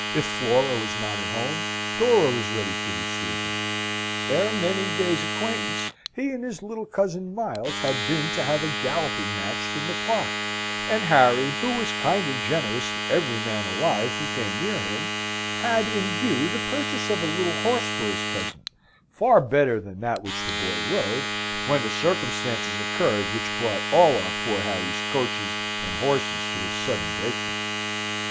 If Flora was not at home, Dora was ready to receive him. Ere many days' acquaintance, he and his little cousin Miles had been to have a galloping match in the Park, and Harry, who was kind and generous to every man alive who came near him, had in view the purchase of a little horse for his cousin, far better than that which the boy rode, when the circumstances occurred which brought all our poor Harry's coaches and horses to a sudden breakdown.